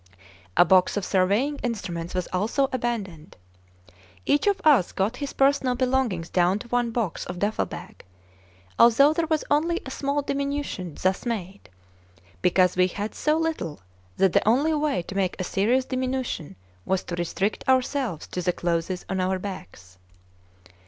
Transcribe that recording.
A box of surveying instruments was also abandoned. Each of us got his personal belongings down to one box or duffel bag although there was only a small diminution thus made; because we had so little that the only way to make a serious diminution was to restrict ourselves to the clothes on our backs.